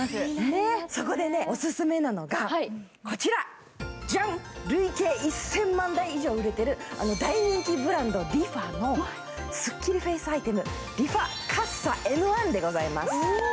そこでオススメなのが、累計１０００万台以上売れてる大人気ブランド、ＲｅＦａ、すっきりフェイスアイテム、リファカッサＭ１でございます。